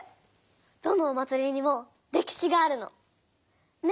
どのお祭りにもれきしがあるの！ね。